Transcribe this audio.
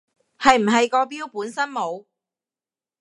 係唔係個表本身冇